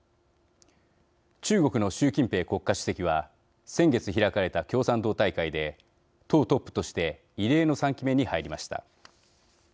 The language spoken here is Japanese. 中国の習近平国家主席は先月、開かれた共産党大会で党トップとして異例の３期目に入りました。